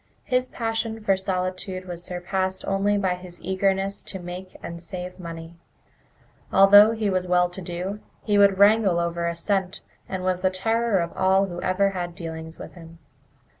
His passion for solitude was surpassed only by his eagerness to make and save money. Although he was well to do, he would wrangle over a cent, and was the terror of all who had ever had dealings with him.